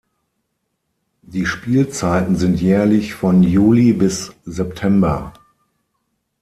Die Spielzeiten sind jährlich von Juli bis September.